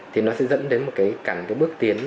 thì nó sẽ dẫn đến một cảnh bước tiến